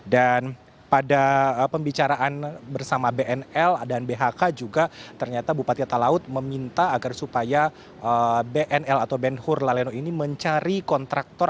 dan pada pembicaraan bersama bnl dan bhk juga ternyata bupati talaut meminta agar supaya bnl atau benhur laleno ini mencari kontraktor